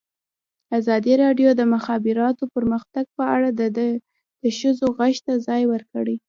ازادي راډیو د د مخابراتو پرمختګ په اړه د ښځو غږ ته ځای ورکړی.